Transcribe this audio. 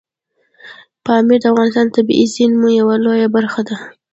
پامیر د افغانستان د طبیعي زیرمو یوه لویه برخه ده.